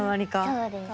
そうです。